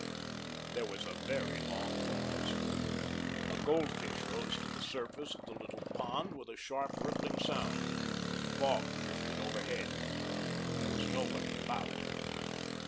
There was a very long pause. A goldfish rose to the surface of the little pond, with a sharp, rippling sound. The fog drifted overhead. There was nobody about.